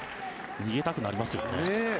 逃げたくなりますよね。